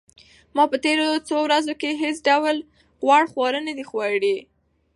ما په تېرو څو ورځو کې هیڅ ډول غوړ خواړه نه دي خوړلي.